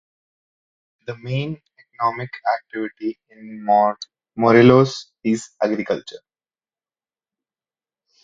The main economic activity in Morelos is agriculture.